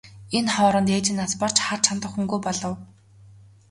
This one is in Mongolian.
Энэ хооронд ээж нь нас барж харж хандах хүнгүй болов.